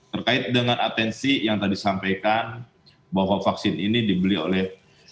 terkait dengan atensi yang tadi sampaikan bahwa vaksin ini dibeli oleh